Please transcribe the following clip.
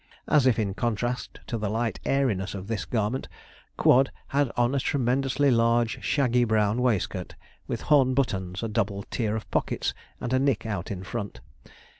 As if in contrast to the light airiness of this garment, Quod had on a tremendously large shaggy brown waistcoat, with horn buttons, a double tier of pockets, and a nick out in front.